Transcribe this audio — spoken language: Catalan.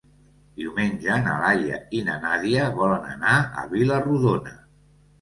Diumenge na Laia i na Nàdia volen anar a Vila-rodona.